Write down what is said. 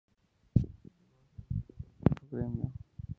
Llegó a ser veedor de su gremio.